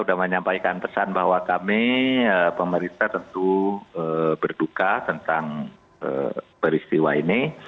sudah menyampaikan pesan bahwa kami pemerintah tentu berduka tentang peristiwa ini